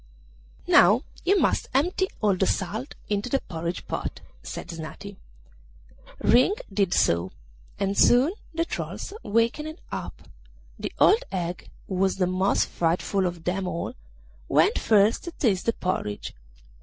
'Now you must empty all the salt into the porridge pot,' said Snati. Ring did so, and soon the trolls wakened up. The old hag, who was the most frightful of them all, went first to taste the porridge.